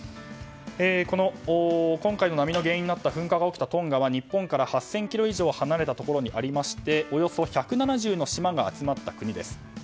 この今回の波の原因になった噴火が起きたトンガは日本から８０００ｋｍ以上離れたところにありましておよそ１７０の島が集まった国です。